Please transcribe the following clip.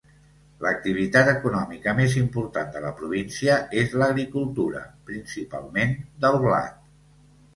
L'activitat econòmica més important de la província és l'agricultura, principalment del blat.